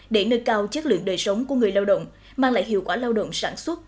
để nâng cao chất lượng đời sống của người lao động mang lại hiệu quả lao động sản xuất